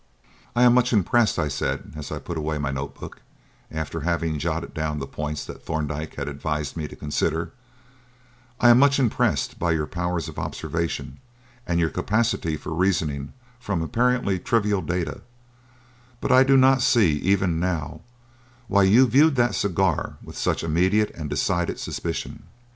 "I am much impressed," I said, as I put away my notebook, after having jotted down the points that Thorndyke had advised me to consider "I am much impressed by your powers of observation and your capacity for reasoning from apparently trivial data; but I do not see, even now, why you viewed that cigar with such immediate and decided suspicion.